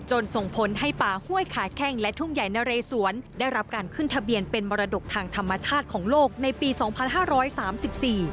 ส่งผลให้ป่าห้วยขาแข้งและทุ่งใหญ่นะเรสวนได้รับการขึ้นทะเบียนเป็นมรดกทางธรรมชาติของโลกในปีสองพันห้าร้อยสามสิบสี่